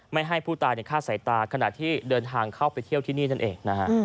ไม่ให้ผู้ตายในค่าใส่ตาขณะที่เดินทางเข้าไปเที่ยวที่นี่นั่นเอง